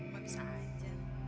pak pak pak